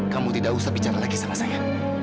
kamu tidak usah bicara lagi sama saya